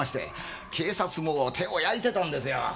警察も手を焼いてたんですよ。